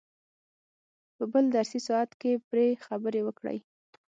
په بل درسي ساعت کې پرې خبرې وکړئ.